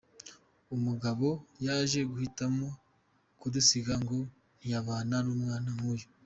Umugabo yaje guhitamo kudusiga ngo ntiyabana n’umwana nk’uyu.